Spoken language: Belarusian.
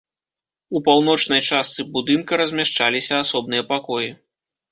У паўночнай частцы будынка размяшчаліся асобныя пакоі.